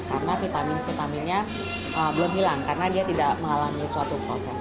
karena vitamin vitaminnya belum hilang karena dia tidak mengalami suatu proses